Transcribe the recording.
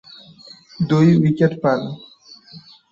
দুই উইকেট পান।